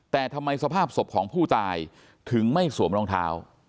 แต่ทำไมสภาพศพของผู้ตายถึงไม่สวมรองเท้า